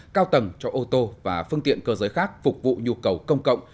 cao tầng cho ô tô và phương tiện cơ giới khác phục vụ nhu cầu công cộng